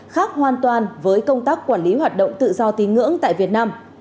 khác hoàn toàn với công tác quản lý hoạt động tự do tín ngưỡng tại việt nam